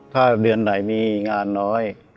ถ้าเดือนไหนมีงานน้อย